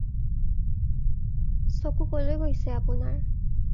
চকু ক'লৈ গৈছে আপোনাৰ?